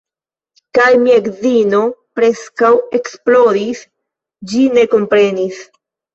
Kaj mia edzino preskaŭ eksplodis, ĝi ne komprenis.